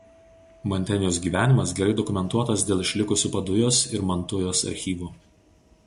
Mantenjos gyvenimas gerai dokumentuotas dėl išlikusių Padujos ir Mantujos archyvų.